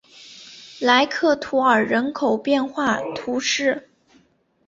莱克图尔人口变化图示